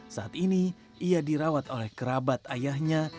saat ini ia dirawat oleh kerabat ayahnya